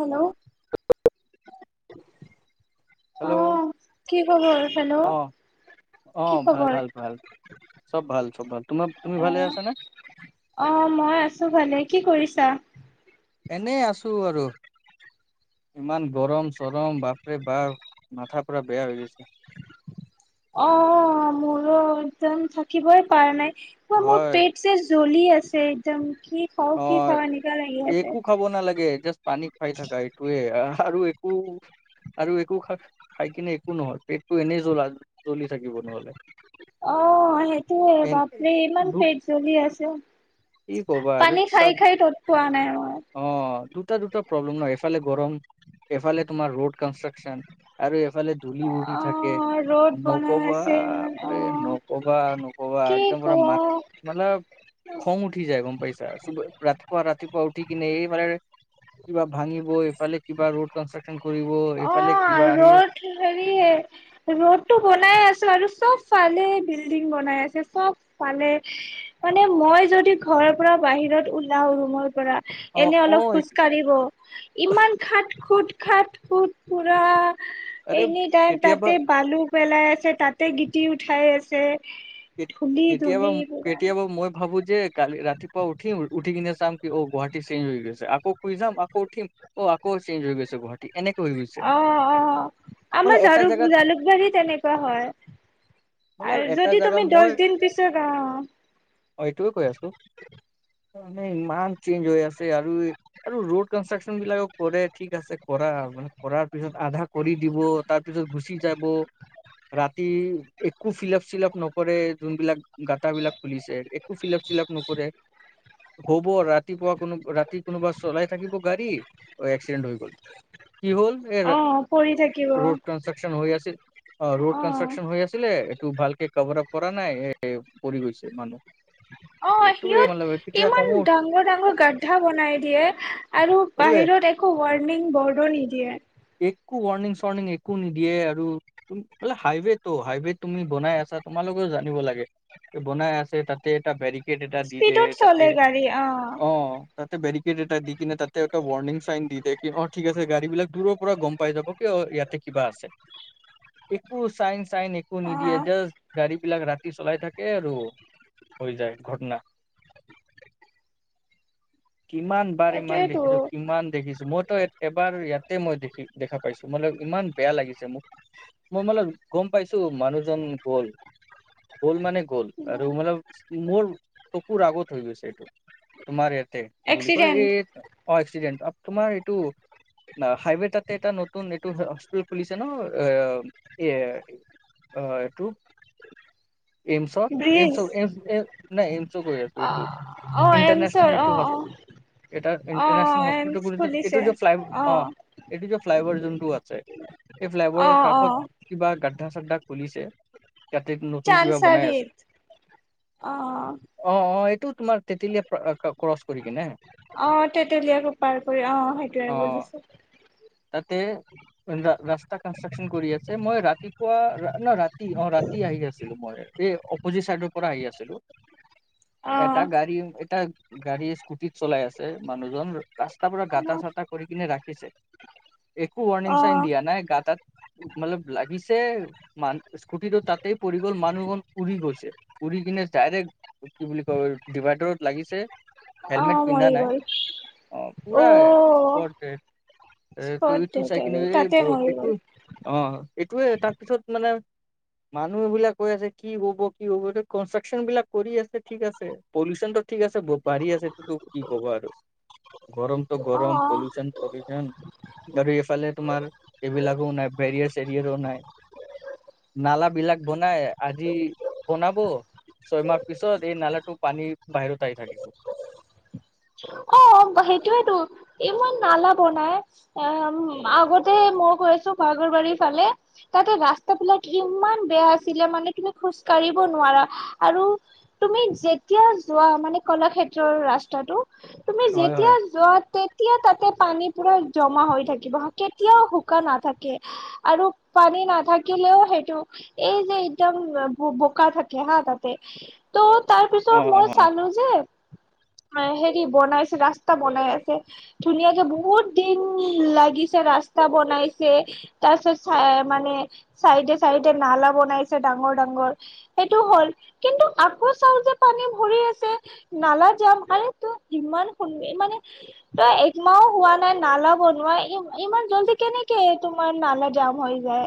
Hello. অঁ hello কি খবৰ হেল্ল'। কি অঁ ভাল, খবৰ ভাল, ভাল চব ভাল চব ভাল তোমাৰ তুমি ভালে আছানে। অঁ মই আছোঁ ভালে কি কৰিছা। এনেই আছোঁ আৰু। ইমান গৰম চৰম বাপৰে বাপ মাথাৰ পুৰা বেয়া হৈ গৈছে। [unintelligible] অঁ মোৰো একদম থাকিবই পৰা নাই মোৰ হয় পেট চেট। জ্বলি আছে একদম। কি খাওঁ কি অঁ খাওঁ এনেকা লাগি আছে একো খাব নালাগে জাষ্ট পানী খাই থাকা এইটোয়ে। আৰু একো। আৰু একো খা খাই কিনে একো নহয়, পেটটো এনেই জ্বলা জ্বলি থাকিব নহ'লে। অঁ সেইটোয়ে এ বাপৰে ইমান দু পেট জ্বলি আছে পানী। চা খাই খাই তত পোৱা নাই মই অঃ দুটা দুটা প্ৰব্লেম ন এইফালে গৰম। গৰম এফালে তোমাৰ ৰোড কন্ত্ৰকশ্যন আৰু এফালে ধূলি উৰি অ থাকে। ৰ'দ বনাই নকবা আছিল অ বাপৰে নকবা নকবা কি একদম পুৰা কওঁ মাত মতলব। অ খং উঠি যায় গম। পাইছা ৰাতিপুৱা ৰাতিপুৱা উঠিকিনে এইফানে। কিবা ভাঙিব এইফালে কিবা ৰোড কনষ্ট্ৰকশন। অঁ ৰ'ড হেৰি ৰ'ডটো বনাই আছোঁ আৰু। চব ফালে বিল্ডিং বনাই আছে চব ফালে মানে মই যদি ঘৰৰ পৰা। বাহিৰত ওলাও ৰুমৰ পৰা। অ এনে অ অলপ এইটো খোজকাঢ়িব ইমান খাট খুট খাট খুট পুৰা। আৰে এনি টাইম কেতিয়াবা তাতে বালু পেলাই আছে তাতে গিতি উঠাই আছে। ধূলি ধূলি কেতিয়াবা পুৰা কেতিয়াবা মই ভাবোঁ যে। যে কালি ৰাতিপুৱা উঠিম উঠি কিনে চাম কি অ গুৱাহাটী চেঞ্জ হৈ গৈছে আকৌ শুই যাম আকৌ উঠিম অ। আকৌ চেঞজ হৈ গৈছে গুৱাহাটী এনে। অ অ আমাৰ এটা জালুক জেগাত জালুকবাৰী তেনেকুৱা হয়। মানে আৰু এটা। যদি জেগা তুমি দহ মই দিন পিছত আহ। অ এইটোৱে কৈ আছোঁ। মানে ইমান চেঞ্জ হৈ আছে আৰু আৰু ৰোড কনষ্ট্ৰাকচন বিলাকও কৰে ঠিক আছে। কৰা মানে কৰাৰ পিছত আধা কৰি দিব তাৰ পিছত গুচি যাব। ৰাতি একো ফিলাপ চিলাপ। নকৰে যোনবিলাক গাঁটা বিলাক খুলিছে একো ফিলাপ চিলাপ নকৰে। হ'ব ৰাতিপুৱা কোনো ৰাতি কোনোবা চলাই থাকিব গাড়ী এক্সিডেণ্ট হৈ গ'ল। কি হ'ল এৰ। অ পৰি থাকিব ৰোড কনষ্ট্ৰাকশন হৈ আছিল, অ ৰোড কনষ্ট্ৰাকচন হৈ আছিলে। টো ভালকে কভাৰ আপ কৰা নাই এ পৰি গৈছে মানুহ। অ এইটোয়ে সিহঁত মানে কেতিয়া ইমান কওঁ ডাঙৰ ডাঙৰ গ্ধা বনাই দিয়ে আৰু এইটোয়ে বাহিৰত। ত একো ৱৰ্ণিং বৰ্ডো নিদিয়ে। একো ৱৰ্ণিং চৰ্ণিং একো নিদিয়ে আৰু তুম বলে হাইৱে তটো হাইৱে তুমি বনাই আছা। তোমালোকও জানিব লাগে, যে বনাই আছে তাতে এটা বেৰিক। কিট এটা দি দিয় স্পীডত তাতে চলে গাড়ী অ ত। বেৰিকেড এটা দি কিনে তাতে এটা ৱৰ্ণিং চাইন দিয়ে কি অ থিক আছে গাড়ী বিলাক দূৰ পৰা গম পাই যাব কি। ইয়াতে কিবা আছে, একো চাইন চাইন একো অ নিদিয়ে জাষ্ট। গাড়ী বিলাক ৰাতি চলাই থাকে আৰু হৈ যায় ঘটনা। [unintelligible] কিমান বাৰ ইমান এইটোয়েতো দেখিছো কিমান দেখিছো মইতোয়াত এবাৰ ইয়াত। তাতে মই দেখি দেখা পাইছো মান ইমান বেয়া লাগিছে মোক। মই মলে গম পাইছো মানুহজন গ'ল। গ'ল মানে গ'ল আৰু মল, মোৰ। পুৰা আগৌ থৈ গৈছে এইটো তমাৰ ইয়াতে কি বুলিল কয় এক্সিডেণ্ট এই অএ্সিডেণ্ট। তোমাৰ এইটো। হাইৱে তাতে এটা নতুন এইটো হস্পিটেল খুলিছে ন এ। অ এইটোটো। ইমচত এ ব্ৰিজ নাই ইমচত। অ আছো অ এমচৰ ইণ্টাৰনশনেল্প। অ অ এটা অ ইণ্টাৰনশনল হস্পিটেল এমচ গ এইটো খুলিছে য ফ্লাই অ। এইটো যে ফ্লাই অভাৰ যোনটো আছে, এই ফ্লাই অ অভাৰৰ অ কাষত কিবা গা। আধা চাধা খুলিছে। কাট নতুন কিবা বনাই আছে, চানচাৰিত অ অ অ এই। এইটো তোমাৰ তেতেলীয়ে ক্ৰচ কৰি কি নে। অ তেতেলীয়াকো পাৰ কৰি অ সেইটোৱে অ বুজিছো। তাতে, ৰাস্তা কনষ্ট্ৰাকচন কৰি আছে মই ৰাতিপুৱা ন ৰা। ৰাতি অ ৰাতি আহি আছিলো মই এই অপজিট চাইডৰ পৰা আহি আছিলো। অ এটা গাড়ী এটা গাড়ী স্কুটিত চলাই আছে মানুহজন। ৰাস্তাৰ পৰা গাটা চটা কৰি কিনে ৰাখিছে, একো ৱৰ্ণিং অ চাইন দিয়া নাই গাঁতাত। মানে লাগিছে মান স্কুটি তাতেই পৰি গ'ল মানুহ উৰি গৈছে উৰি। কিনে ডাইৰেক্ট কি বুলি কয় ডিভাইডাৰত লাগিছে। অ হেলমেট পিন্ধা, মৰি নাই গ'ল অ পুৰা অ স্প। এ ত স্পট ত ডেট চাই কিনে আৰু তাতে ব মৰি এইটো, গ'ল। অ এইটোয়ে তাৰপিছত মানে। মানুহ এইবিলাক কৈ আছে কি হ'ব কি হ'ব এই কনষ্ট্ৰাকচন বিলাক কৰি আছে ঠিক আছে পলিচন। ঠিক আছে বাঢ়ি আছেটো তোক কি ক'ব আৰু। গৰমটো গৰম অ', পলউচন পলুচন। আৰু এইফালে তোমাৰ, এইবিলাকো নাই বেৰিয়াৰছ এৰিয়াৰো নাই। নালাবলাক বনাই আজি বনাব। ছয়মাহ পিছত এই নালাটো পানী বাহিৰত আহ থাকিব। অ। ম সেইটোয়েতো ইমান নালাব নাই এ আগতে মই কৈ আছো ভাল। ৰবাৰী ফালে তাতে ৰাস্তা বিলাক ইমান বেয়া আছিলে মানে তুমি খোজ কঢ়িব নোৱাৰা। আৰু, তুমি যেতিয়া যোৱা মানে কলাক্ষেত্ৰৰ ৰাস্তাটো। তুমি হয় যেতিয়া হয় যোৱাতে। তেতিয়া তাতে পানী পুৰা জমা হৈ থাকিব কেতিয়াও শুকান নাথাকে আৰু পানী। নাথাকিলেও সেইটো এই যে একদম বোকা থাকে হা তাতে ত। তাৰ অ পিছত অ মই অ চালো যে হেৰি বনাইছিল ৰাস্তা বনাই আছে ধুনীয়াকে বহুত দিন লাগিছে ৰাস্তা বনাইছে। তাৰ পাছত চাই মানে চাইডে চাইডে নালা বনাইছে ডাঙৰ ডাঙৰ সেইটো হ'ল। কিন্তু আকৌ চাও যে পানী ভৰি আছে নালা যাম আৰে তোৰ ইমান সুন্দ্ৰৰ মানে তই একমাহও হোৱা নাই নালাব নোৱাৰা ই ইমান জল্দি কেনেকে তোমাৰ নালা জাম হৈ যায়।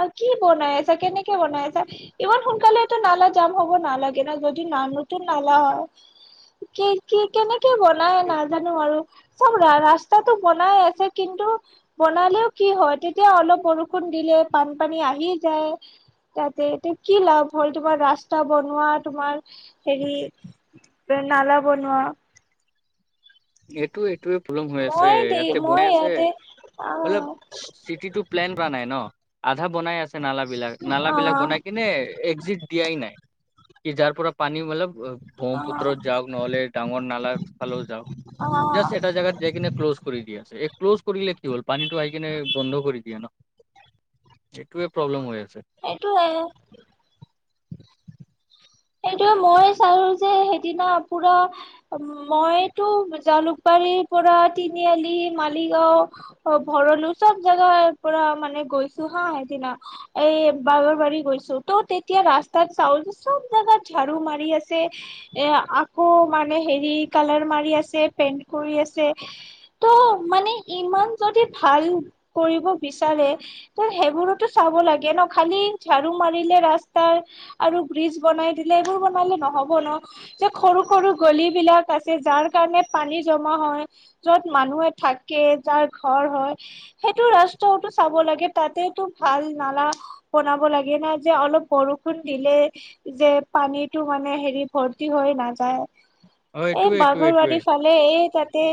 অ কি বনাই আছা কেনেকে বনাই আছা ইমান সোনকালেটো নালা যাম হ'ব নালাগে ন যদিও ন নতুন নালা হয় কি কি কেনেকে বনাই এই- নাজানো আৰু। চব ৰা ৰাস্তাতটো বনাই আছে কিন্তু বনালেও কি হয় তেতিয়া অলপ বৰষুণ দিলে। বানপানী আহি যায়। তাতে এয়া কি লাভ হ'ল তোমাৰ ৰাস্তা বনোৱা তোমাৰ হেৰি। নালা বনোৱা। এইটো এইটো পলম হৈ আছে মই দেই ইয়াতে মই বনাই আছে। ইয়াতে অ চিটি প্লেন প নাই ন আধা বনাই আছে নালাবলাক অ নালাবিলাক বনাই কিনে একি। দিয়াই নাই। [inaudible] কি যাৰ পৰা পানী মতলব ব্ৰহ্মপুত্ৰত যাওক নহলে ডাঙৰ নালা ফালেও যাওক। অ অ জাষ্ট এটা জোগাত যাই কিনে ক্ল'জ কৰি দি আছে এই ক্ল'জ কৰিলে কি হল পানীটো আহাই কিনে বন্ধ কৰি দিয়ে ন। এইটো প্ৰব্লেম হৈ আছে। এইটো আৰু সেইটোয়ে মই চালো যে সেইদিনা পুৰা মইতো জালুক বাৰি। পৰা তিনিআলি মালিগাওঁ ভৰলো চব জেগাৰ পৰা মানে। গৈছো হা সেইদিনা এই বাগৰ বাৰী গৈছো ত' তেতিয়া ৰাস্তাত চাউচোন। জাগাত ঝাডাৰু মাৰি আছে এ আকৌ মানে হেৰি কালাৰ মাৰি আছে পে কৰি আছে ত' মানে ইমান যদি ভাল কৰিব বিচাৰে। ত সেইবোৰোতো চাব লাগে ন খালি ঝাৰু মাৰিলে ৰাস্তাৰ আৰু ব্ৰিজ। বনাই দিলে এইবোৰ বনালে নহব ন যে সৰু সৰু গলিবলাক আছে যাৰ কাৰণে পানীৰ হয় যত মানুহে থাকে যাৰ ঘৰ হয় সেইটো ৰাস্তা চাব। লাগে তাতেতো ভাল নালা বনাব লাগে ন যে অলপ বৰষুণ দিলে। যে পানীতটো মানে হেৰি ভৰ্তি হৈ নাযায়। অ এই এইটোৱে এইটোৱে এইটোৱে বাগৰবাৰী ফালে এই তাত।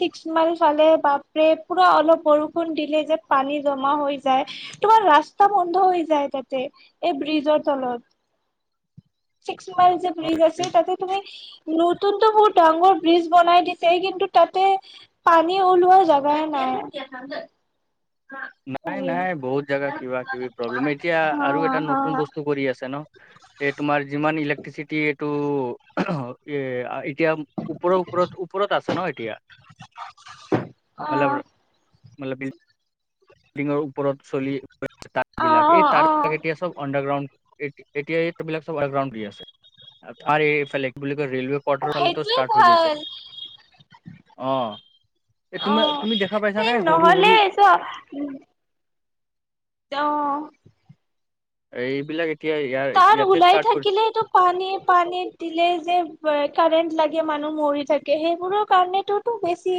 ছিক্স মাইল ফালে বাপৰে পুৰা অলপ বৰষুণ দিলে যে পানী জমা হৈ যায়। তোমাৰ ৰাস্তা বন্ধ হৈ যায় তাতে এই ব্ৰিজৰ তলত। কিছুমান যে অ ব্ৰীজ আছে এই- তাতে তুমি। নতুনতো বহুত ডাঙৰ ব্ৰীজ বনাই দিছে কিন্তু তাতে পানী ওলোৱা জোগা নাই। থ নাই নাই বহুত জাগা কিবা কিবি প্ৰব্লেম এতিয়া আৰু হা এটা হা নতুন বস্তু কৰি আছে ন এ তোমাৰ যিমান ইলেক্ট্ৰিচিটি এইটো এ এতিয়া ওপৰৰ ওপৰত ওপৰত আছে ন এতিয়া অ মতলব বিল্ডিঙৰ ওপৰত চলি তাঁ অ বিলাক অ এই অ তাঁৰ বিলাক এতিয়া চব আণ্ডাৰগ্ৰাউণ্ড এতিয়া ইবিলাক চৱগ্ৰাউণ্ড দি আছে। তোমাৰ এফাল বুলি কয় ৰেলৱে অ কোৱাটাৰ ফালে টো সেইটোৱে ষ্টাৰট হৈ গৈছে। ভাল অ এই অ তুমি তুমি দেখা পাইছা সেই নে সৰু সৰু নহলে ত উম অ এইবিলাক এতিয়া ইয়াৰ তাৰ ইয়াতে ওলাই ষ্টাৰ্ট কৰিছে থাকিলেটো পানী পানীত দিলে যে কাৰেণ্ট লাগে মানুহ মৰি থাকে সেইবোৰৰ কাৰণেতো বেছি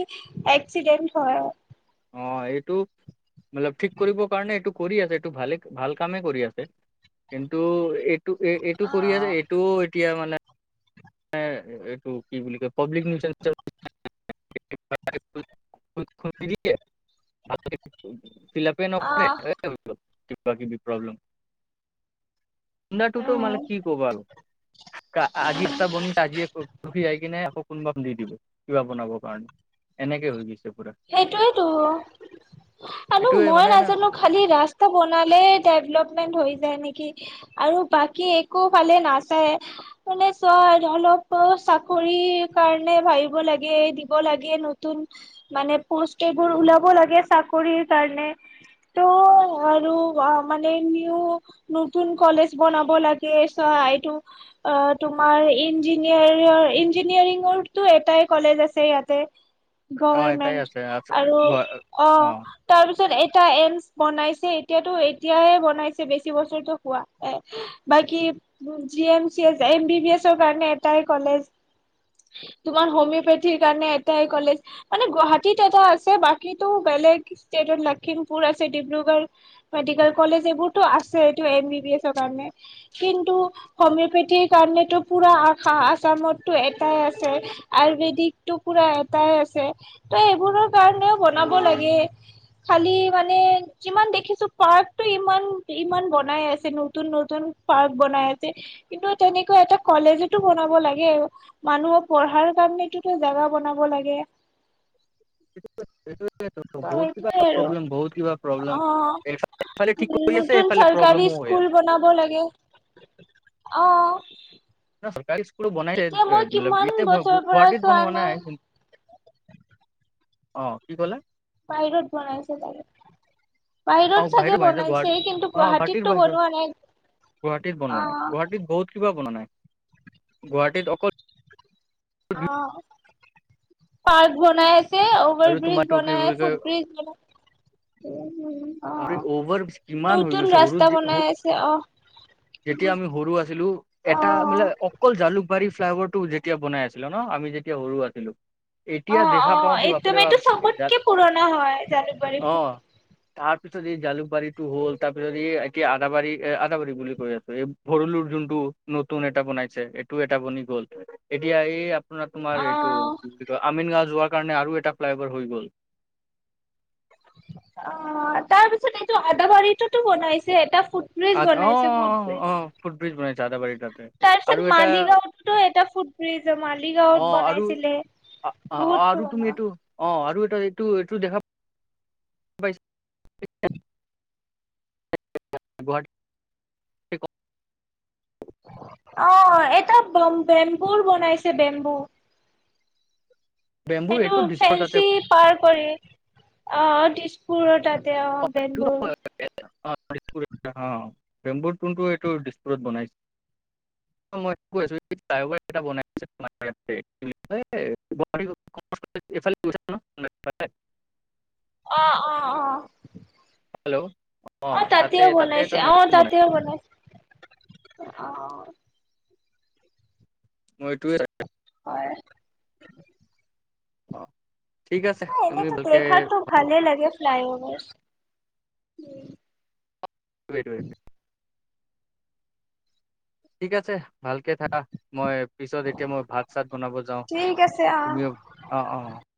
এক্সিডেণ্ট হয় অ এইটো মতলব ঠিক কৰিব কাৰণে এইটো কৰি আছে এইটো ভালে ভাল কামে কৰি আছে কিন্তু এই এইটো এ এইটো কৰি আছে এইটোও এতিয়া মানে এইটো কি বুলি কয় পাব্লিক নিউজ [unintelligible] ফিলআপ নকৰে আহ কিবা কিবি প্ৰব্লেম [unintelligible] টোতো মানে উম কি ক'বা আৰু আজি তা বনিছ আজি খি যাই কিনে কোনোবা দি দিব কিবা বনাব কাৰণে এনেকে হৈ গৈছে। পুৰা সেইটোৱেই তো আনো এইটোয়ে মই মানে না নাজানো খালি ৰাস্তা বনালে ডেভপলমেন্ট হৈ নেকি আৰু বাকী একো ফালে নাচায় মানে চোৱা [unintelligible] চাকৰি কাৰণে ভাবিব লাগে দিব লাগে নতুন মানে পোষ্ট এইবোৰ ওলাব লাগে চাকৰিৰ কাৰণে। ত' আৰু মানে নিউ নতুন কলেজ বনাব লাগে। চা এইটো অ তোমাৰ ইঞ্জিনিয়াৰ ইঞ্জিনিয়াৰিঙৰো এটাই কলেজ আছে। হেই ইয়াতে ঘৰ অ এটাই মেনট আছে অ আৰু অ তাৰপিছত তাৰছত এটা এমছ বনাইছে এতিয়াতো এতিয়াই বনাইছে বেছি বছৰটো হোৱা এ বাত কি G C M B B S কাৰণ এটাই কলেজ তোমাৰ হোমিঅপেথিৰ কাৰণে এটাই কলেজ মানে গুৱাহাটীত এটা আছে বাকীতো বেলেগ ষ্টেটত লখিমপুৰ আছে ডিব্ৰুগড় মেডিকেল কলেজ এইবোৰ ত আছেই ত এম বি এছৰ কাৰণে কিন্তু হমিও পেথীৰ কাৰণেটো পুৰা আশা আছামতো এটাই আছে আয়ুৰ্বেদিকটো পুৰা এটাই আছে। ত এইবোৰৰ কাৰণেও বনাব লাগে খালি মানে যিমান দেখিছো পাৰ্কটো ইমান ইমান বনাই আছে নতুন নতুন পাৰ্ক বনাই আছে কিন্তু তেনেকুৱা এটা কলেজতো বনাব লাগে মানুহৰ পঢ়াৰ তাত নেকিটো জেগা বনাব লাগে। সেইটো সেইটো ত বহুত কিবা সেইটোয়ে আৰু প্ৰব্লেম বহুত কিবা প্ৰব্লেম অ এফালে ঠিক কৰি আছে নতুন এফালে চৰকাৰী প্ৰব্লেম স্কুল বনাব লাগে অ চৰকাৰী বনাইছে এতিয়া মই কিমান ইয়াতে বছৰৰ পৰা গুৱাহাটীত চোৱা বনোৱা নাই অ কি ক'লে বাহিৰত বনাইছে চাগে অ বাহিৰত চাগে গুৱাহাটী বনাইছে কিন্তু অ গুৱাহাটীৰ গুৱাহাটীতটো বাহিৰত বনোৱা নাই গুৱাহাটীত অ বনোৱা নাই গুৱাহাটীত বহুত কিবা বনোৱা নাই গুৱাহাটীত অকল অ পাৰ্ক বনাই। আৰু অভাৰ ব্ৰিজ তোমাৰটো কি বুলি বনাই ফুটব্ৰিজ বনাই। আ অভাৰ ব্ৰিজ কিমান হৈ নতুন গৈছে সৰু। ৰাস্তা বনাই আছে অ। যেতিয়া আমি সৰু আছিলো অ। এটা মানে অকল জালুকবাৰী ফ্লাইভাৰটো যে। তেতিয়া বনাই আছিলো ন আমি যেতিয়া সৰু আছিলো। এতিয়া অ অ দেখা পাওঁ কি একদম বাপৰে এইটো বাপ। চবতকে পুৰণা হয় জালুকবাৰীত তাৰ পিছত এই জালুকবাৰীতো হ'ল তাৰ পিছত এই এতিয়া আদাবাৰী এ আদাবাৰী বুলি কৈ আছো এই ভৰলো যোন। নতুন এটা বনাইছে এইটো এটা বনি গ'ল এতিয়া এই আ অ। তোমাৰ এইটো কি বুলি কয় আমিন গাওঁ যোৱাৰ কাৰণে আৰু এটা ফ্লাই অভাৰ হৈ গল। অ তাৰপিছত এইটো আদা বাৰীটোতো বনাইছে এটা। ফুটব্ৰিজ অ অ বনাইছে অ বনাইছে আদাবাৰী ফুটব্ৰিজ তাতে আৰু তাৰপিছত এটা মালিগাঁওতো এটা। ফুটব্ৰিজ অ মালিগাঁওত আৰু বনাইছিলে। অ অ বহুত আৰু তুমি পুৰণা। এইটো অ আৰু এ এইটো এইটো দেখা পাই। [unintelligible] অ এটা বম বেম্বুৰ বনাইছে বেম্বু বেম্বুৰ সেইটো এইটো দিছপুৰ তাতে ফেন্সি পাৰ কৰি। অ তেজপুৰৰ তাতে অ বেংগুৰ। অ দেমুন এইটো দিছপুৰত বনাইছে। [inaudible] মইছোাই [inaudible] এইফালে [inaudible] আহ, আহ, আহ হেল্ল' অ তাতে তাতেও তাতে বনাইছে এটা আহ নতুন তাতেও বনাইছে। অ মইটোৱে হয়। অ। ঠিক আছে তুমি এনেতো ভালকে দেখাৰটো ভালে লাগে। ফ্লাই অভাৰ সেইটোয়ে। ঠিক আছে ভালকে থাকা মই। পিছত এতিয়া মই ভাত চাত বনাব যাওঁ, ঠিক আছে অ তুমিও অ অ।